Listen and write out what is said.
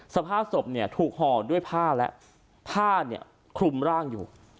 สภาพศพเนี่ยถูกห่อด้วยผ้าและผ้าเนี่ยคลุมร่างอยู่